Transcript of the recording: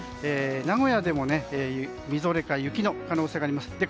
名古屋でもみぞれか雪の可能性があります。